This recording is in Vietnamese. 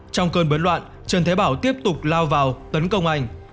trong cơn bớn loạn trần thế bảo tiếp tục lao vào tấn công anh